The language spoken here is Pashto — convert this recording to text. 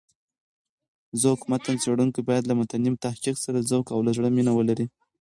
ذوق متن څېړونکی باید له متني تحقيق سره ذوق او له زړه مينه ولري.